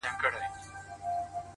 ستا جدايۍ ته به شعرونه ليکم،